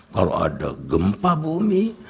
kalau ada gempa bumi